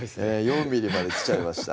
４ｍｍまできちゃいました